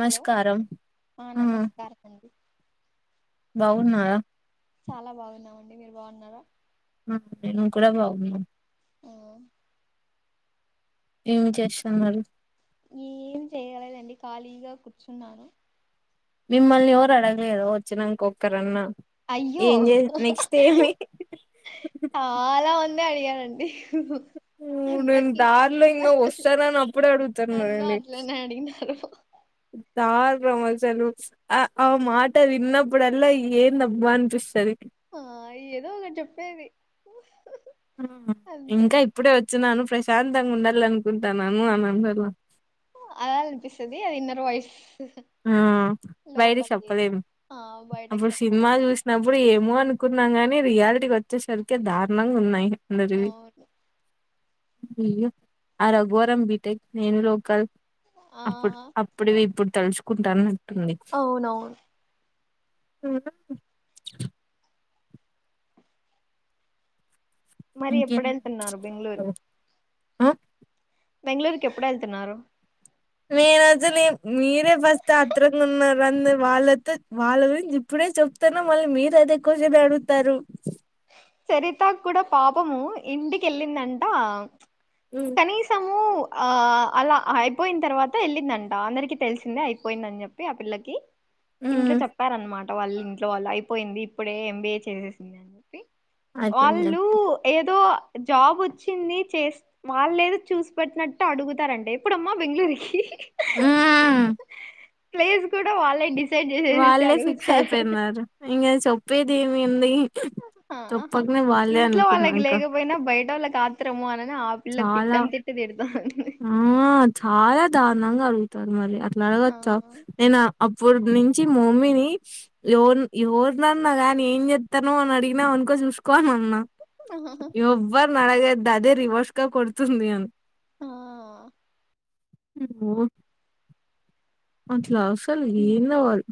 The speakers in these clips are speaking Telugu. హలో ఆ నమస్కారమండీ బావున్నారా చాలా బాగున్నామండి మీరు బాగున్నారా హ మేము కూడా బాగున్నాం ఆ ఏం చేస్తున్నారు ఏం చేయలేదండి ఖాళీగా కూర్చున్నాను మిమ్మల్ని ఎవరు అడగలేదు వచ్చినా ఓక్కరన్నా అయ్యో ఏం చే నెక్స్ట్ ఏమి అ చాలామంది అడిగారండి అప్పుడు నేను అందరికి దారిలో ఇంకా సమాధానం వస్తానను అప్పుడే నన్ను అడుగుతున్నారండి అట్లనే అడిగినారు దారిలో మనుషులందరూ కూర్చొని ఆ ఆ మాట విన్నప్పుడలా ఏన్ అబ్బా అనిపిస్తది ఆ ఏదో ఒకటి చెప్పేది అంతే ఇంకా ఇప్పుడే వచ్చినను ప్రశాంతంగా ఉండాల అనుకుంటాన్నాను అనందలో అలా అనిపిస్తుది అది ఇన్నర్ వాయిస్ ఆ బయట లోపలిది చెప్పలేం ఆ బయటకి అప్పుడు చెప్పలే సినిమా చూస్త నాప్పుడు ఏమో అనుకున్నాం గాని రియాలిటీకి వచ్చేసరికి దారుణంగా ఉన్నాయి అందరివి అవును నేను ఆ రఘువరన్ బీటెక్ నేను లోకల్ ఆ అప్పుడు అప్పుడువి ఇప్పుడు తలుచుకుంటానట్టుంది అవునవును ఉమ్ మరి ఇంకేం ఎప్పుడు వెళ్తున్నారు బెంగళూరు చూసావు? ఆ బెంగళూరుకి ఎప్పుడు వెళ్తున్నారు నేను అసలు మీరే ఫస్ట్ అత్రంగా ఉన్నారు నన్ను వాళ్ళతో వాళ్ళ గురించి ఇప్పుడే చెప్తన మళ్ళీ మీరు అదే క్వశ్చన్ అడుగుతారు చరిత కూడా పాపము ఇంటికి వెళ్ళిందంట హు కనీసము ఆ అలా అయిపోయిన తర్వాత ఎళ్ళిందంట అందరికి తెలిసిందే అయిపోయిందని చెప్పి ఆ పిల్లకి ఇంట్లో మ్మ్ చెప్పారన్నమాట వాళ్ళు ఇంట్లో వాళ్ళు అయిపోయింది ఇప్పుడే ఎంబీఏ చేసేసింది అని చెప్పి అయిపోయింది వాళ్ళు ఏదో జాబ్ వచ్చింది చేస్ వాళ్ళు ఏదో చూసి పెట్టినట్టు అడుగుతారండి ఎప్పుడు అమ్మా బెంగళూరుకి ఆ ప్లేస్ కూడా వాళ్ళే డిసైడ్ చేసేసి వాళ్ళే ఫిక్స్ అడుగుతారు అయిపోయినారు ఇంగ చెప్పేది ఏమి ఉంది? ఆ ఆహా! ఇంట్లో వాళ్ళకి ఇంకా లేకపోయినా బయటోళ్ళకి ఆత్రం ఆత్రము అని ఆపిల్ల చాలా తిట్టని తిట్టు తిడుతాంది. ఆ చాలా దారుణంగా అడుగుతారు మరి అట్లా ఆ అడగొచ్చా. నేను అప్ అప్పుడు నుంచి మా మమ్మీని ఎవరి ఎవరినన్నా గాని ఏం చెస్తాన్నావు అని అడిగినవనుకో చూసుకో అని అన్నా ఆహాహా. ఎవ్వరిని అడగొద్దు అదే రివర్స్గా కొడుతుంది అని ఆ [unintelligible] అట్లా అసలు ఏందో వాళ్ళు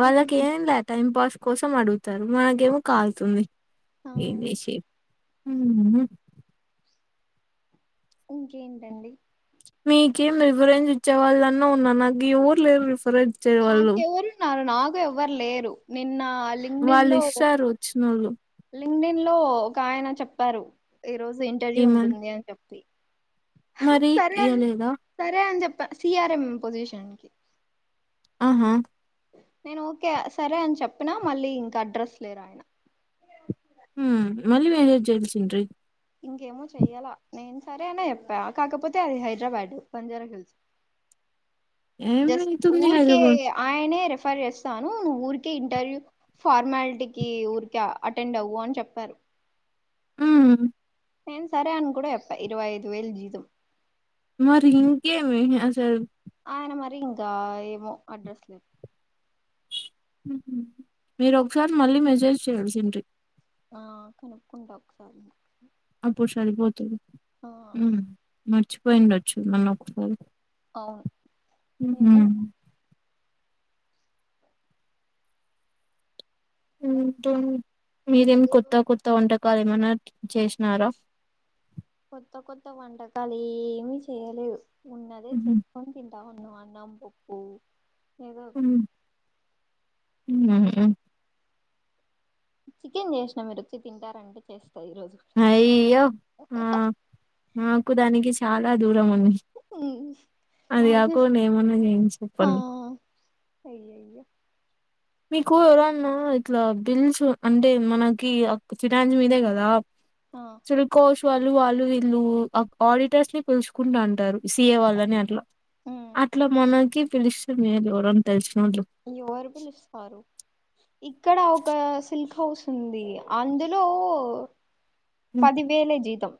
వాళ్ళకి ఏ లే టైం పాస్ కోసం అడుగుతారు మనకేమో కాల్తుంది ఆ ఏం చేసేది మ్ హు ఇంకేంటండి. మీకేం రిఫరెన్స్ ఇచ్చే వాళ్ళన్నా ఉన్నారు. నాకు ఎవరు లేరు రిఫరెన్స్ ఇచ్చే వాళ్ళు నాకెవరున్నారు నాకు ఎవ్వరు లేరు. నిన్న అ వాళ్ళు ఇస్తారు వచ్చినోళ్ళు. లింగ్డన్ లో ఒక ఆయన చెప్పారు ఈ రోజు ఇంటర్వ్యూ ఏమని ఉంటుంది అని చెప్పి. హ మరి సరే అని ఇయ్యలేదా సరే అని చెప్పా సిఆర్ఎం పొజిషన్ ఆహా! నేను ఊరికే సరే అని చెప్పినా మళ్ళీ ఇంకా అడ్రస్ లేరు ఆయన. హు మళ్ళీ మెసేజ్ చేయాల్సింట్రి. ఇంకేమో చెయ్యలా నేను సరే అని చెప్పా కాకపోతే అది హైదరాబాదు బంజారా హిల్స్. జస్ట్ ఏమైతుంది ఊర్కే హైదరాబాద్? ఆయనే రెఫర్ చేస్తాను ఊరికే ఇంటర్వ్యూ ఫార్మాలిటీకి ఊర్కే అటెండ్ అవ్వు అని చెప్పారు. మ్ హు నేను సరే అని కూడా చెప్పా. ఇరవైఐదు వేలు జీతం మరి ఇంకేమి అసలు ఆయన మరి ఇంకా ఏమో అడ్రస్ లేదు. హు మ్ మీరు ఒక్కసారి మళ్ళీ మెసేజ్ చేయాల్సింట్రి. ఆ కనుక్కుంటా ఒకసారి అప్పుడు సరిపోతుంది. ఆ మ్ మర్చిపోయిండొచ్చు మళ్ళా ఒకసారి. అవును ఏమో మ్ ఇంకేం. మీరేం ఏమో కొత్త కొత్త వంటకాలు ఏమన్నా చేసినారా? కొత్త కొత్త వంటకాలు ఏమి చేయలేదు. ఉన్నదే హ్మ్. చేస్ ఏం తింటావ్ నువ్వు అన్నం, పప్పు ఏదో ఒకటి ఉమ్ హు హు చికెన్ చేసినా మీరు వచ్చి తింటారంటే చేస్తా ఈ రోజు. అయ్యో ఆ మాకు దానికి చాలా దూరం ఉంది. అది నాకు కాకుండా ఏమన్నా నేను చెప్పను. అయ్యయో మీకు ఎవరన్నా ఇట్లా బిల్స్ అంటే మనకి ఫినాన్స్ మీదే కదా ఆ త్రీకోస్ వాళ్ళు వాళ్ళు వీళ్ళు ఆడిటర్స్ ని పిలుచుకుంటు ఉంటారు. సి. ఏ వాళ్ళని అట్లా. ఉమ్ అట్లా మనకి పిలిస్తే మేలు బాగుండు. ఎవరన్న తెలిసిన వాళ్ళు. ఎవరు పిలుస్తారు? ఇక్కడ ఒక సిల్క్ హౌస్ ఉంది అందులో పదివేలే జీతం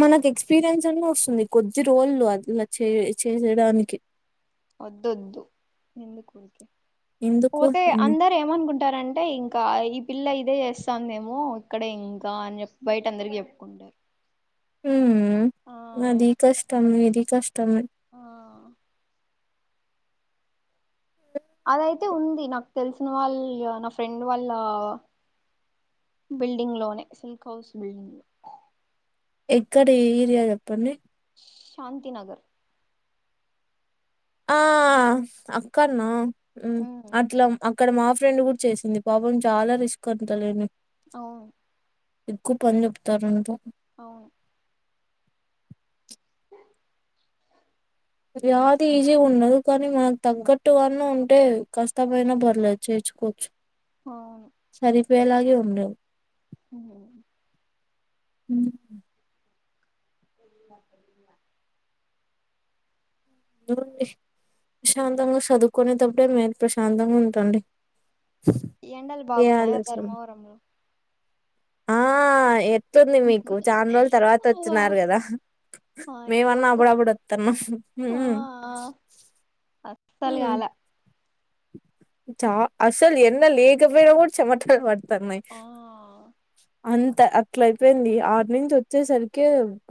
మనక్ ఎక్స్పీరన్స్ అన్న ఒస్తుంది కొద్ది రోళ్లు అదిలా చే చేసేడానికి ఒద్దోద్దు ఎందుక్ ఊరికే ఎందుకు పోతే అని అందర్ ఏమనుకుంటారంటే ఇంకా ఈ పిల్ల ఇదే చేస్తాందేమో ఇక్కడే ఇంకా అన్ చెప్ బయట అందరికి చెప్ కుండ ఊ మ్ ఆ అది కష్టం ఇది కష్టమె ఆ అదైతే ఉంది నాక్ తెలిసిన వాళ్య నా ఫ్రెండ్ వాళ్ళ బిల్డింగ్ లోనే సిల్క్ హౌస్ బిల్డింగ్ ఎక్కడ్ ఏ ఇరియా యెప్పండి శాంతినగర్ ఆ అక్కన్నా ఉం ఉమ్ అట్లం అప్ ఇక్కడ మా ఫ్రెండ్ కూడ్ చేసింది పాపం చాలా రిస్క్ అంత లేను ఔ ఎక్కు పన్ చెప్తారంట అవును పోఓ యాదీ ఈజీ ఉండదు కానీ మనక్ తగ్గట్టుగాన్నా ఉంటే కష్టమైన పర్లేదు చేర్చుకోవచ్చు అవును సరిపోయేలాగే ఉండవ్ హుమ్ ఉం తెంగా పెలింగ నూ వ్వే అశాంతంగా సదువుకునేటప్పుడే మేర్ ప్రశాంతంగ్ ఉంటండి ఈ యండల్ ఏ బాగున్నాయా ఆలోచన ధర్మవరము ఆ ఎట్లుంది మీకు చాన్ రోజుల్ తర్వాత ఓహో వొచ్చన్నారు కదా అయ్యో మేమన్నా అబడబడ్ ఒత్తణ్ణం ఉ ఆ ఉ ఆ అస్సలుగాలా చా అస్సల్ ఎన్న లేకపోయినా కూడ్ చెమటల్ పడతన్నాయ్ ఆ అంత అట్లయిపోయింది ఆర్ నుంచ్ ఒచ్చేసరికే అబ్బ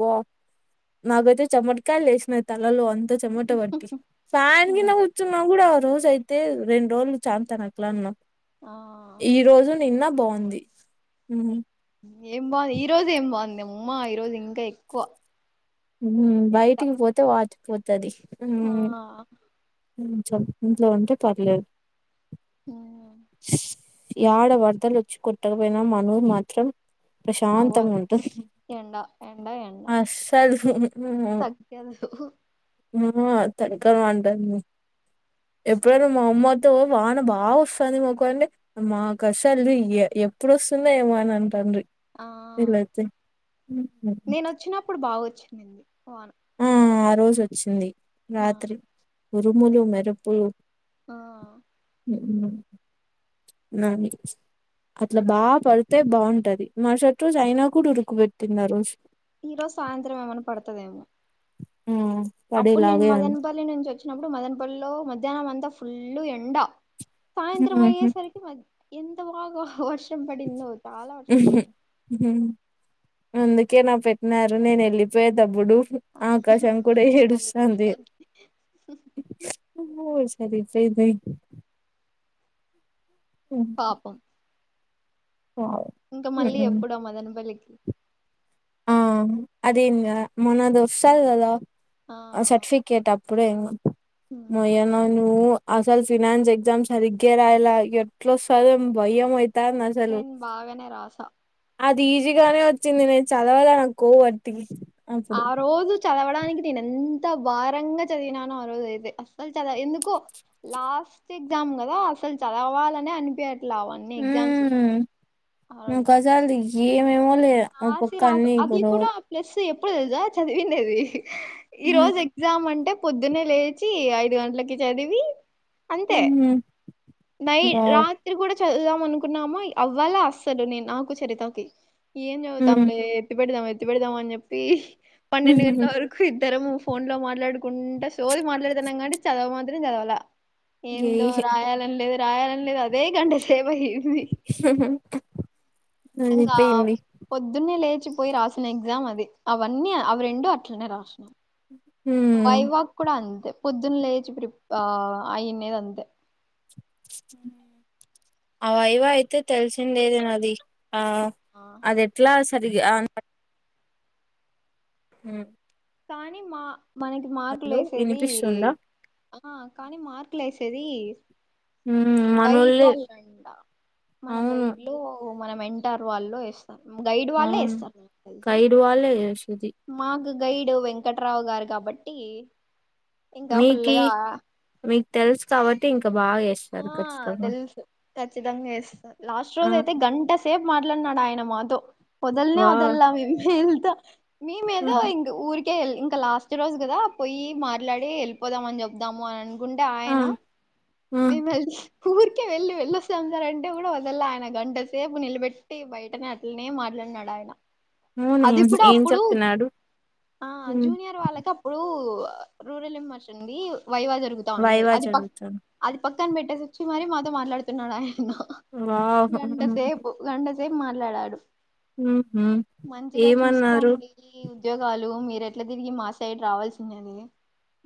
నాకైతే చెమటకాయల్ లేసినాయ్ తలలో అంత చెమట వట్టి ఫ్యాన్ హ్మ్. గినా ఉత్ ఉచ్చున్నా కూడా ఆ రోజయితే రెండ్ రోజులు చాంతాన్ ఎట్ల అన్నా ఆ ఈ రోజున్ నిన్న బావుంది ఉహ్మ్ ఉ ఏం బావ్ ఈ రోజ్ ఏం బావుందెమ్మా ఈ రోజ్ ఇంకా ఎక్కువ ఉహ్మ్ ఎండ బయటిక్ పోతే వాచిపోతది ఉహ్మ్ అ కొంచెం ఇంట్లో ఉంటే పర్లేద్ హ్మ్. యాడ వరదల్ ఒచ్చి కొట్టకపోయినా మనూర్ మాత్రం ప్రశాంతంగ్ ఉంటు ఎండా అస్సల్ సు ఉ ఉం తగ్గదు ఉమ్మ్మ్మ టెంకాయ్ మంటంది ఎప్పుడైనా మా అమ్మత్ తో వాన బా వొస్తాంది మొకండి అమ్మా కషల్ ది యె ఎప్పుడుొస్తుందో ఏమో అన్ అంటాండ్రి ఆ వీళ్ళైతే నేను వచ్చినప్పుడు బాగొచ్చిందిడి పోను ఆ ఆ రోజు వచ్చింది ఆ రాత్రి ఉరుములు మెరుపులు ఆ అ అట్లా బాగా పడితే బాగుంటది మరుసటి రోజు అయినా కూడా ఉరుకు పెెట్టింది రోజు ఈ రోజు సాయంత్రం ఏమన్నా పడుతుదేమో హ అప్పుడు నేను మదన్పల్లి నుంచి వచ్చినప్పుడు మదన్పల్లిలో మధ్యాహ్నం అంతా ఫుల్లు ఎండ సాయంత్రం ఉహు. అయ్యేసరికి మ ఎంత బాగా వర్షం పడింద చాలా వర్షం పడి అందుకే నా పెట్టినారు నేను వెళ్ళిపోయే తబ్బడు మదనపల్లి రెడీగా ఉంటుంది సర సయి సయి పాపం వావ్ ఇంకా మళ్ళీ ఎప్పుడ మదనపల్లికి ఆ అదేం మొన్న ద వసల్దా ఆ సర్టిఫిక కేటప్పుడు ఏమో మొయన నువ్ అసలు ఫినాన్స్ ఎగ్జామ్స్ సరిగే రాయలా ఎట్లా సర భయం అయి అసలు నేను బాగానే రాసా అది ఈజీగానే వచ్చింది నేను చదవాలా నా కోవటి ఆ రోజు చదవడానికి నేను ఎంత భారంగా చదివినానుఆ రోజు అయితే అస్సలు చదవ ఎందుకో లాస్ట్ ఎగ్జామ్ కదా అసలు చదవాలని అనిపట్లావని ఊ నకాజాలది ఏమేమో లే ఓ పక్క ఆశరా అన్ని అది కూడా గొడవలు ప్లస్ ఎప్పుడో తెలుసా చదివిండేది ఈ రోజు ఎగ్జామ్ అంటే పొద్దున్న లేచి ఐదు గంటలకి చదివి అంతే మ్మ్ నై వావ్ రాత్ త్రిగుడా చదుదాం అనుకున్నామా అవ్వాల అసలు నేను నాకు చరితకి ఏం చదువుతాములే మ్మ్ ఎత్తి పెడదాం ఎత్తి పెడదామ అని చెప్పి పన్నెండు గంటల వరకు ఇద్దరము ఫోన్ లో మాట్లాడుకుంటా సోరి మాట్లాడుతున్నా కానీ చదవు మాత్రం చదవాల ఏందో గేహి రాయాలని లేదు రాయాలని లేదు అదే గంట సేపు అయ్యింది హ ఉంగ పొద్దున్నే లేచిపోయి రాసిన ఎగ్జామ్ అది అవన్నీ అవి రెండు అట్లనే రాసినం మ్మ్ వైవాక్ కూడా అంతే పొద్దున్న లేచి ప్రి ఆ అయినేది అంతే అవైవ అయితే తెలిసిందేది నాది ఆ ఆ అది ఎట్లా సరిగా ఆ హ కానీ మా మనకి మార్కులు హలో వేసేది వినిపిస్తుందా ఆ కానీ మార్కులు వేసేది మ్మ్ గైడ్ మనోళ్ళే వాళ్ళంట మన అవును గైడ్ లో మనం మెంటర్ వాళ్ళు ఇస్త గైడ్ వాళ్ళే అవును వస్తార్ నాకు తెలిసి కైడు వాళ్ళే చేసేది మాకు గైడ్ వెంకట్రావు గారు కాబట్టి ఇంకా ఫుల్ మీకి గా మీకు తెలుసు కాబట్టి ఇంకా బాగా ఇస్ ఆ తెలుసు ఖచ్చితంగా చేస్తా లాస్ట్ రోజ ఆ అయితే గంట ఎంతసేపు మాట్లడిన్నాడో ఆయన మాతో వదల్నే వా వదలా మీ మేల్తో మీ మేదా ఉహు ఇంగ్ ఊర్కి ఇంకే ఇంకా లాస్ట్ రోజు కదా పోయి మాట్లాడి వెళ్ళిపోదామని చెబుదాము అని అనుకుంటే ఆ ఆయన ఆ నిమ్ల్ ఊరికే వెళ్లి వెళ్ళొస్తా అన్నాను అంటే కూడా వదలా ఆయన గంటసేపు నిలబెట్టి బయటనే అట్లానే మాట్లాడిన్నాడు ఆయన అవును అది ఏం కూడా ఏం అప్పుడు చెప్తున్నాడు ఆ ఉమ్ జూనియర్ వాళ్ళకి అప్పు ఇప్పుడు రూరల్ ఇమర్షన్ ది వైవా జరుగుతా ఉందింది వైవా అది ప చదువుతాను అది పక్కన పెట్టేసి వచ్చి మరీ మాతో మాట్లాడుతున్నాడు ఆయన్న వావ్ గంట సేపు గంటసేపు మాట్లాడాడు ఉహు మంచిగా ఏమన్నారు చూసుకోండి ఈ ఉద్యోగాలు మీరు ఎట్లా తిరిగి మా సైడ్ రావాల్సిందే అది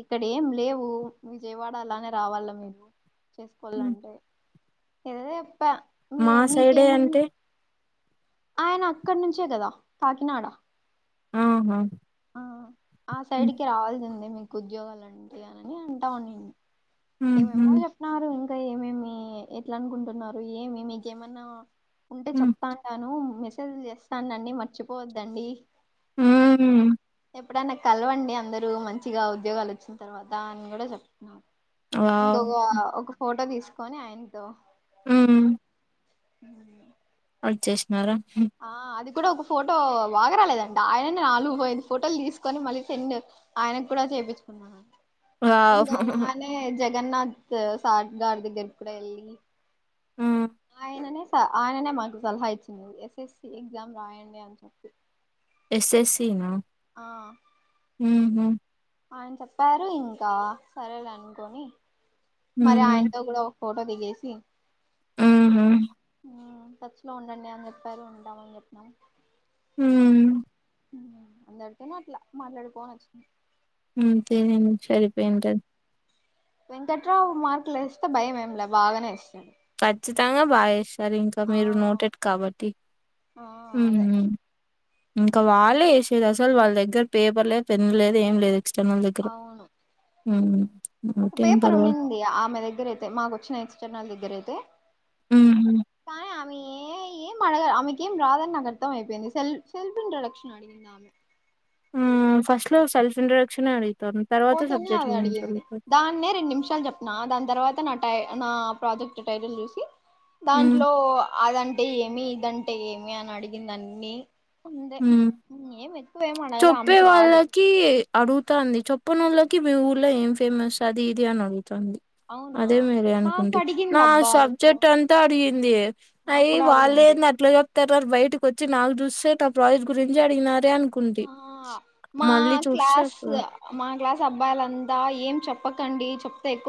ఇక్కడ ఏం లేవు విజయవాడ అలానే రావాలా మీరు హ్మ్. నేను అదే చెప్ప మా మీరే సైడే మీకేము అంటే ఆయన అక్కడ నుంచే కదా కాకినాడ ఆహా ఆ సైడ్ కి రావాల్సిందే మీకు ఉద్యోగాలు అంటే అనని అంటా ఉన్నింది ఏమేమో ఉహు చెప్తున్నారు ఇంకా ఏమేమి ఎట్లా అనుకుంటున్నారు ఏమేమి మికేమన్నా ఉంటే ఉమ్ చెప్తా అంటాను మెసేజ్ చేస్తానునండి మర్చిపోవద్దండి హుమ్ ఎప్పుడైనా కలవండి అందరు మంచిగా ఉద్యోగాలు వచ్చిన తర్వాత అని కూడా చెప్తున్నా వావ్ ఇంకొక ఒక ఫోటో తీసుకొని ఆయనతో ఉమ్ ఉమ్ వచ్చేసినారా ఆ అది కూడా ఒక ఫోటో బాగరాలేదంట ఆయన నాలుగు ఐదు ఫోటోలు తీసుకొని మళ్ళీ సెండ్ ఆయనకు కూడా చేపించుకున్నాను వావ్ ఇంకా అలానే జగన్నాథ్ సార్ గారి దగ్గరకి కూడా వెళ్ళి ఆమ్ ఆయననే స ఆయననే మాకు సలహా ఇచ్చింది ఎస్ఎస్సి ఎగ్జామ్ రాయండి అని చెప్పి ఎస్ఎస్సనా ఆ ఉహుమ్ ఆయన చెప్పారు ఇంకా సరేలే అనుకోని మరి ఉమ్ ఆయనతో కూడా ఫోటో దిగేసి ఉహుమ్ ఉమ్ టచ్ లో ఉండండి అని చెప్పారు ఉంటాం అని చెప్పినం హుమ్ ఉమ్ అందడితోనే అట్లా మాట్లాడిపోని వచ్చినాం ఉమ్ తేరం సరిపోయి ఉంటాది వెంకట్రావు మార్కులు వేస్తే భయం ఏం లా బాగానే ఎస్తాడు. ఖచ్చితంగా బాగాస్తారు ఇంకా మీరు నోటెట్ కాబట్టి ఆ అదే ఉహుమ్ ఇంకా వాళ్ళే చేసేది అసలు వాళ్ళ దగ్గర పేపర్ లేదు పెన్ లేదు ఏం లేదు ఎక్స్టర్నల్ దగ్గర అవును ఉమ్ ఒక పేపర్ ఉన్నింది ఆమె దగ్గర అయితే మాకు వచ్చిన ఎక్స్టర్నల్ దగ్గర అయితే హ్మ్ కాయ ఆమె ఏం అడగ ఆమెకేం రాధని నాకు అర్థం అయిపోయింది సెల్ఫ్ సెల్ఫ్ ఇంట్రడక్షన్ అడిగిందా ఆమె ఆ ఫస్ట్లు సెఫ్ ఇంట్రడక్షన్ ఆడిగితంది పోతేనే అది అడిగింది దాన్నే రెండు నిమిషాలు చెప్ నా దాని తర్వాత నా టై నా ప్రాజెక్ట్ టైటిల్ చూసి హ్మ్ దాంట్లో అదంటే ఏమి, ఇదంటే ఏమి అని అడిగిందన్ని అంతే హ్మ్ ఏమి ఎక్కువేమి అడగల ఆమెకి రాదు కి అడుగుతంది చొప్పనూళ్లోకి మీ ఊర్లో ఏం ఫేమస్ అది ఇది అని అడుగుతుంది. అవునా అదే మీరే నాకు అనుకుంటి అడిగింది నా అబ్బా ఎక్కువ సబ్జెక్ట్ అంతా అడిగింది. నాకు అయ్య కూడా వాళ్ళు అడిగింది ఏంది అట్లా చెప్తారు బయటకి వచ్చి నాకు చూస్తే నా ప్రాజెక్ట్ గురించి అడిగినారే అని ఆ మా క్లాస్ అప్పుడు మా క్లాస్ అబ్బాయిలంతా ఏం చెప్పకండి చెప్తే ఎక్కువ